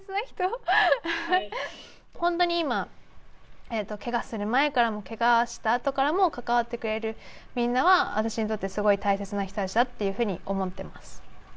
はいホントに今ケガする前からもケガしたあとからも関わってくれるみんなは私にとってすごい大切な人達だっていうふうに思ってます